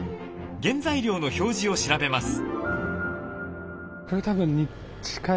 原材料の表示を調べます。